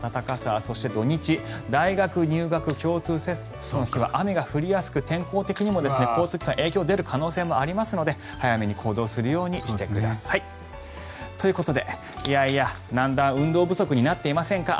そして土日大学入学共通テストの日は雨が降りやすく天候的にも交通機関に影響が出る可能性もありますので早めに行動するようにしてください。ということで、いやいやだんだん運動不足になっていませんか？